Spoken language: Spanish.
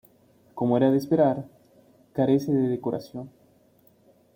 Como era de esperar, carece de decoración.